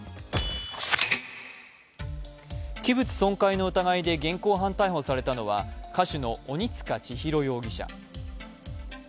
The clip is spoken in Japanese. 器物損壊の疑いで現行犯逮捕されたのは歌手の鬼束ちひろ容疑者。